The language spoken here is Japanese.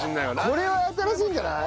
これは新しいんじゃない？